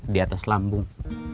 di atas lambung